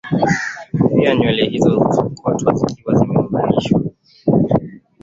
pia nywele hizo husokotwa zikiwa zimeunganishwa